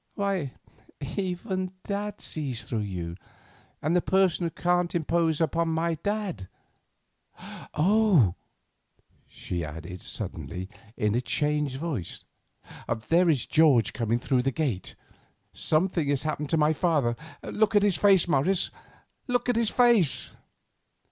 Why, even Dad sees through you, and the person who can't impose upon my Dad——. Oh!" she added, suddenly, in a changed voice, "there is George coming through the gate. Something has happened to my father. Look at his face, Morris; look at his face!"